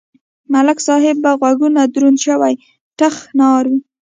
ملک صاحب په غوږونو دروند شوی ټخ نه اوري.